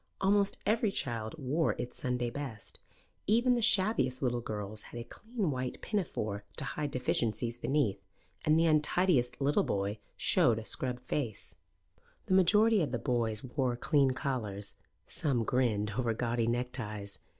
Almost every child wore its Sunday best. Even the shabbiest little girls had a clean white pinafore to hide deficiencies beneath, and the untidiest little boy showed a scrubbed face. The majority of the boys wore clean collars; some grinned over gaudy neckties.